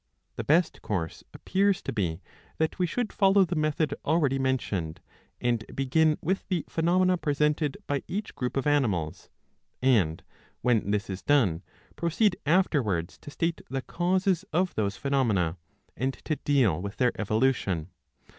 ^ The best course appears to be that we should follow the method 640 a. 4 1. I. already mentioned, and begin with the phenomena presented by each group of animals, and, when this is done, proceed afterwards to state the causes of those phenomena, and to deal with their evolution.